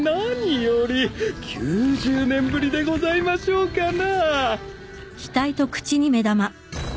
９０年ぶりでございましょうかな。